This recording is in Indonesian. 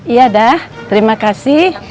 iya dah terima kasih